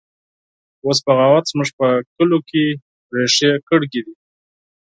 اوس بغاوت زموږ په کلو کې ریښې کړي دی